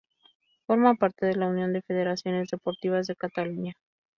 Forma parte de la Unión de Federaciones Deportivas de Cataluña.